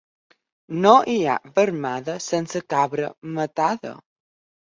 No hi ha veremada sense cabra matada.